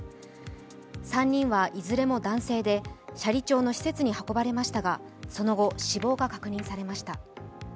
３人はいずれも男性で、斜里町の施設に運ばれましたがその後、死亡が確認されました。